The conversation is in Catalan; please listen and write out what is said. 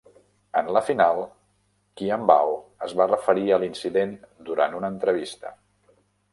En la final, Quiambao es va referir a l'incident durant una entrevista.